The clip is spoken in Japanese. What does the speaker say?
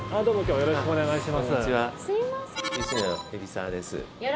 よろしくお願いします。